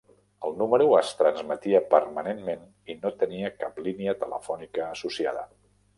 El número es transmetia permanentment i no tenia cap línia telefònica associada.